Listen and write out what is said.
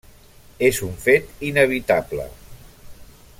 És un fet inevitable.